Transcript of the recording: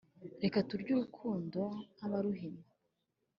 Reka turye urukundo nkabaruhima